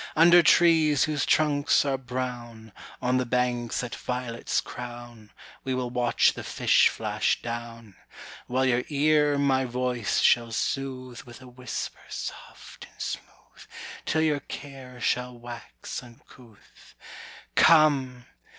"Under trees whose trunks are brown, On the banks that violets crown, We will watch the fish flash down; "While your ear my voice shall soothe With a whisper soft and smooth Till your care shall wax uncouth. "Come!